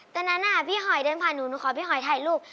ตอนนั้นพี่หอยเดินผ่านหนูหนูขอพี่หอยถ่ายรูป